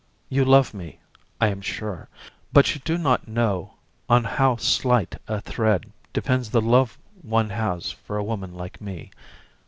You love me, I am sure, but you do not know on how slight a thread depends the love one has for a woman like me.